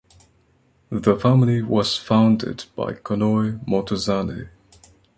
The family was founded by Konoe Motozane.